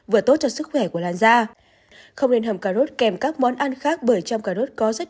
vừa tốt cho sức khỏe của làn da không nên hầm cà rốt kèm các món ăn khác bởi trong cà rốt có rất